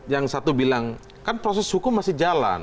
yang satu bilang kan proses hukum masih jalan